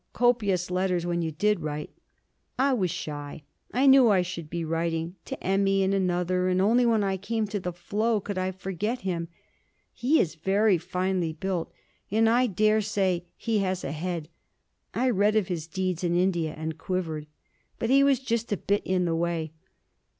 Copious letters when you did write.' 'I was shy. I knew I should be writing, to Emmy and another, and only when I came to the flow could I forget him. He is very finely built; and I dare say he has a head. I read of his deeds in India and quivered. But he was just a bit in the way.